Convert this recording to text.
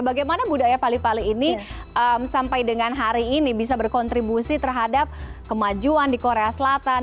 bagaimana budaya pali pali ini sampai dengan hari ini bisa berkontribusi terhadap kemajuan di korea selatan